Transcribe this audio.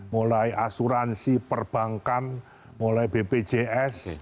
mulai asuransi perbankan mulai bpjs